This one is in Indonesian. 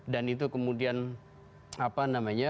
dan itu kemudian